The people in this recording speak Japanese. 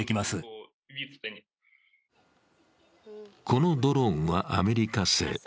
このドローンはアメリカ製。